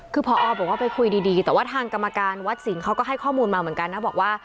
คือพอบอกว่าไปคุยดีแต่ว่าทางกรรมการวัดสิงห์เขาก็ให้ข้อมูลมาเหมือนกันนะบอกว่า